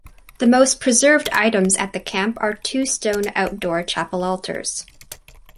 The most preserved items at the camp are two stone outdoor chapel altars.